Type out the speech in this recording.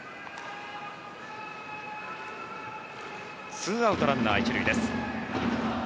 ２アウト、ランナー１塁です。